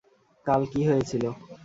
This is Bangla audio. কাল কী হয়েছিল?